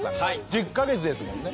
１０か月ですもんね。